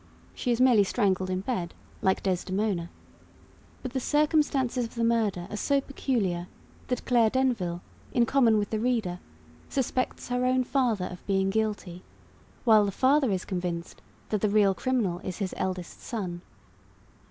She is merely strangled in bed, like Desdemona; but the circumstances of the murder are so peculiar that Claire Denville, in common with the reader, suspects her own father of being guilty, while the father is convinced that the real criminal is his eldest son.